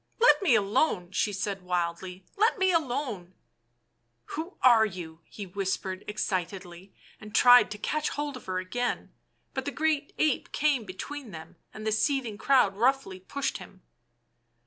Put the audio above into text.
" Let me alone," she said wildly. " Let me alone "" Who are you?" he whispered excitedly, and tried to catch hold of her again ; but the great ape came between them, and the seething crowd roughly pushed him.